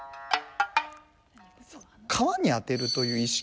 皮に当てるという意識で。